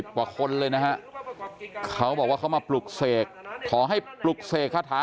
กว่าคนเลยนะฮะเขาบอกว่าเขามาปลุกเสกขอให้ปลุกเสกคาถา